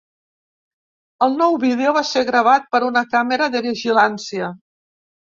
El nou vídeo va ser gravat per una càmera de vigilància